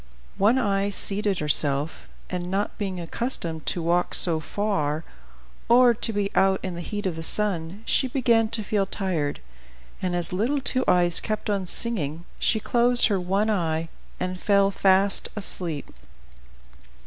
One Eye seated herself, and, not being accustomed to walk so far, or to be out in the heat of the sun, she began to feel tired, and as little Two Eyes kept on singing, she closed her one eye and fell fast asleep.